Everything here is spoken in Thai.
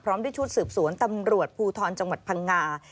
ด้วยชุดสืบสวนตำรวจภูทรจังหวัดพังงา